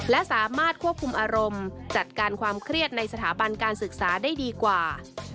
และสามารถควบคุมอารมณ์จัดการความเครียดในสถาบันการศึกษาได้ดีกว่า